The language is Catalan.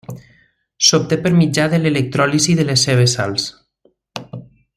S'obté per mitjà de l'electròlisi de les seves sals.